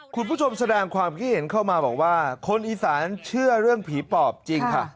คุณผู้ชมแสดงความคิดเห็นเข้ามาบอกว่าคนอีสานเชื่อเรื่องผีปอบจริงค่ะ